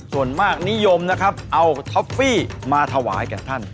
ส่วนมากนิยมนะครับเอาท็อฟฟี่มาถวายแก่ท่าน